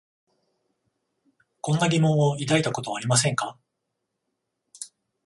こんな疑問を抱いたことはありませんか？